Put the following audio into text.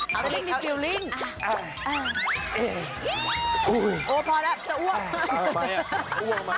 พอแล้วจะอ้วน